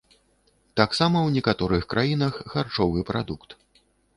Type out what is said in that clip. Таксама ў некаторых краінах харчовы прадукт.